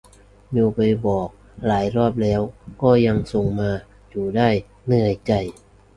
เมลไปบอกหลายรอบแล้ว ก็ยังส่งมาอยู่ได้ เหนื่อยใจ